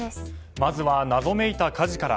まずは謎めいた火事から。